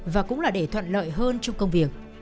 và cũng là để thuận lợi hơn trong công việc